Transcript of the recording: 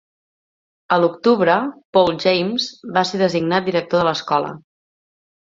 A l'octubre, Paul James va ser designat director de l'escola.